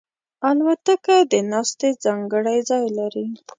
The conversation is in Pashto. الوتکه د ناستې ځانګړی ځای لري.